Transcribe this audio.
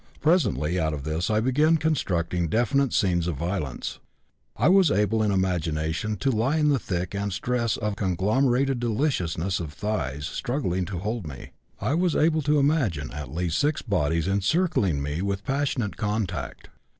Presently out of this I began constructing definite scenes of violence. I was able in imagination to lie in the thick and stress of conglomerated deliciousness of thighs struggling to hold me; I was able to imagine at least six bodies encircling me with passionate contact.